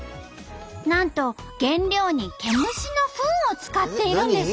なんと原料にケムシのフンを使っているんです。